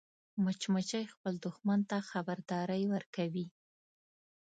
مچمچۍ خپل دښمن ته خبرداری ورکوي